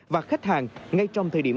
và khách hàng ngay trong thời điểm